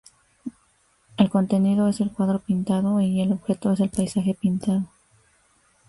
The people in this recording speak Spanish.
El contenido es el cuadro pintado y el objeto es el paisaje pintado.